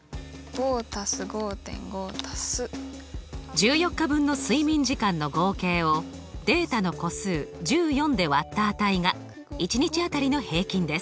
１４日分の睡眠時間の合計をデータの個数１４で割った値が１日当たりの平均です。